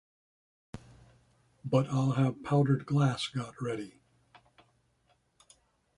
But I'll have powdered glass got ready.